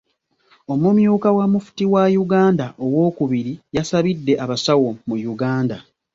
Omumyuka wa Mufti wa Uganda owookubiri yasabidde abasawo mu Uganda.